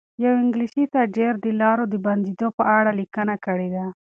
یو انګلیسي تاجر د لارو د بندېدو په اړه لیکنه کړې ده.